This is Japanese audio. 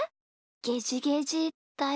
ゲジゲジだよ。